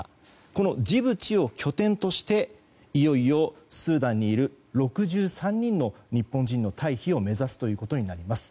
このジブチを拠点としていよいよスーダンにいる６３人の日本人の退避を目指すということになります。